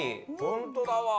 ホントだわ。